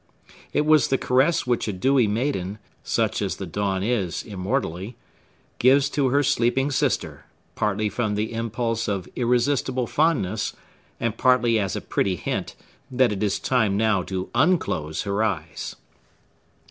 It was the caress which a dewy maiden—such as the Dawn is, immortally—gives to her sleeping sister, partly from the impulse of irresistible fondness, and partly as a pretty hint that it is time now to unclose her eyes.